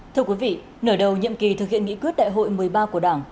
thưa quý vị nửa đầu nhiệm kỳ thực hiện nghị quyết đại hội một mươi ba của đảng